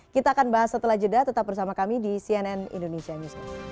kita akan bahas setelah jeda tetap bersama kami di cnn indonesia news